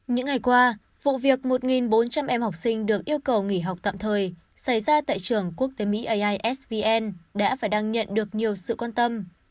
những ngày qua vụ việc một bốn trăm linh em học sinh được yêu cầu nghỉ học tạm thời xảy ra tại trường quốc tế mỹ aisvn đã và đang nhận được nhiều sự quan tâm